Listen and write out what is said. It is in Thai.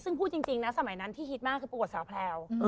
ซึ่งพูดจริงนะสมัยนั้นที่ฮิตมากคือประกวดสาวแพลว